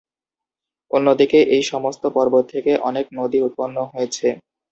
অন্যদিকে এই সমস্ত পর্বত থেকে অনেক নদী উৎপন্ন হয়েছে।